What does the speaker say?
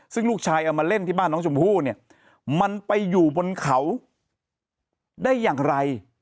ซึ่งลูกชายเอามาเล่นที่บ้านน้องชมพู่เนี่ยมันไปอยู่บนเขาได้อย่างไร